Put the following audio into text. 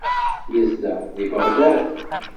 Yezdeɣ deg Beɣdad.